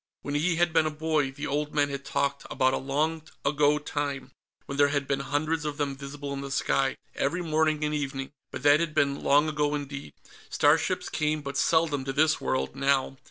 When he had been a boy, the old men had talked about a long ago time when there had been hundreds of them visible in the sky, every morning and evening. But that had been long ago indeed. Starships came but seldom to this world, now.